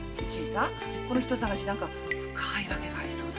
この人捜し何か深い訳がありそうだね。